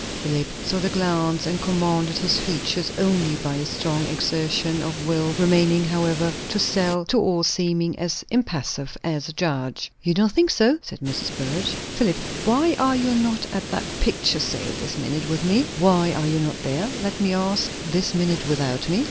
Philip saw the glance and commanded his features only by a strong exertion of will, remaining, however, to all seeming as impassive as a judge. "You don't think so?" said Mrs. Burrage. "Philip, why are you not at that picture sale this minute, with me?" "Why are you not there, let me ask, this minute without me?"